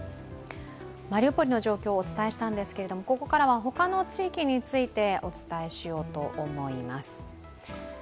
マリウポリの状況をお伝えしたんですけれどもここからは他の地域についてお伝えしようと思います。